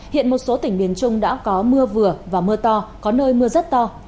hiện một số tỉnh miền trung đã có mưa vừa và mưa to có nơi mưa rất to